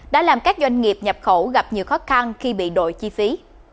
đã làm các doanh nghiệp nhập khẩu gặp nhiều khó khăn khi bị đội chi phí